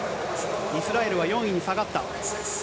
イスラエルは４位に下がった。